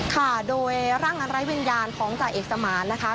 ค่ะโดยร่างอันไร้วิญญาณของจ่าเอกสมานนะคะ